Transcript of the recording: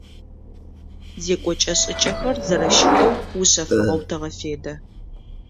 Зекӏокӏэ-шӏыкӏэхэр зэрэщытэу ушъэфыгъэу тэгъэфедэ.